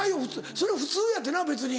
それは普通やって別に。